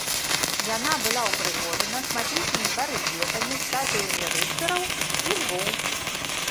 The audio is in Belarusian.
Яна была ўпрыгожана шматлікімі барэльефамі, статуямі рыцараў і львоў.